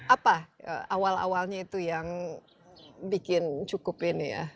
apa awal awalnya itu yang bikin cukup ini ya